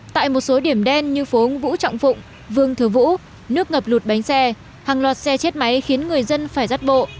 tại một số điểm đen như phố vũ trọng phụng vương thừa vũ nước ngập lụt bánh xe hàng loạt xe chết máy khiến người dân phải rắt bộ